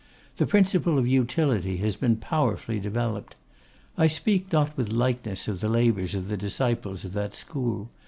The principle of Utility has been powerfully developed. I speak not with lightness of the labours of the disciples of that school.